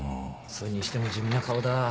それにしても地味な顔だ。